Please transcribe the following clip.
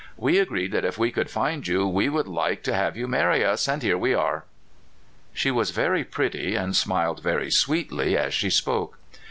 We agreed that if we could find you we would like to have you marry us, and here we are." She was very pretty, and smiled very sweetly as she spoke.